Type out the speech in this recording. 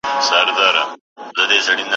ګراني افغاني زما خوږې خورکۍ